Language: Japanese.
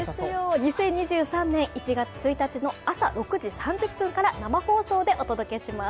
２０２３年１月１日の朝６時３０分から生放送でお届けします。